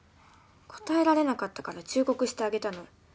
答えられなかったから忠告してあげたの。